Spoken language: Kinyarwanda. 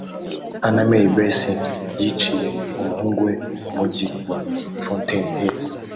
Anna Mae Blessing yiciye umuhungu we mu mujyi wa Fountain Hills